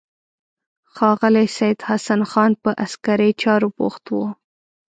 ښاغلی سید حسن خان په عسکري چارو بوخت و.